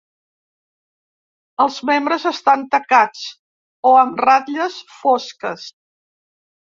Els membres estan tacats o amb ratlles fosques.